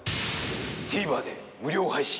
ＴＶｅｒで無料配信。